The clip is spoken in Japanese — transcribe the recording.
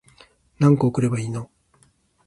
何個送ればいいの